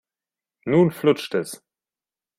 Nun flutscht es.